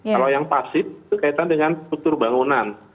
kalau yang pasif itu kaitan dengan struktur bangunan